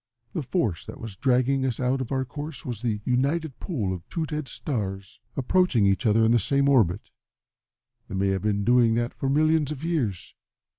The force that was dragging us out of our course was the united pull of two dead stars approaching each other in the same orbit. They may have been doing that for millions of years.